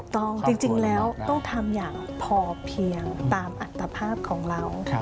ถูกต้องจริงแล้วต้องทำอย่างพอเพียงตามอัตภาพของเรา